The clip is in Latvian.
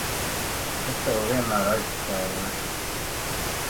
Es Tevi vienmēr aizstāvēšu!